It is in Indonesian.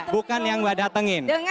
bukan yang mbak datangin